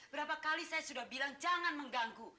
berapa kali saya sudah bilang jangan mengganggu